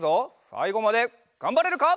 さいごまでがんばれるか？